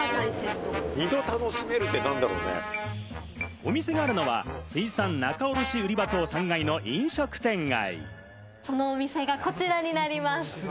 お店があるのは水産仲卸売場棟３階の飲食店街。